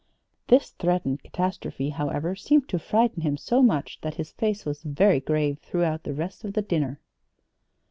This threatened catastrophe, however, seemed to frighten him so much that his face was very grave throughout the rest of the dinner.